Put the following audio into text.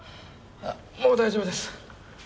もう大丈夫です。